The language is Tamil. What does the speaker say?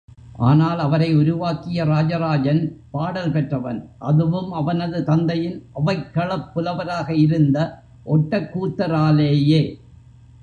ஆனால் அவரை உருவாக்கிய ராஜராஜன் பாடல் பெற்றவன், அதுவும் அவனது தந்தையின் அவைக்களப் புலவராக இருந்த ஒட்டக்கூத்தராலேயே.